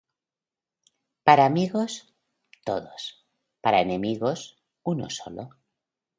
Para amigos, todos; para enemigos, uno solo.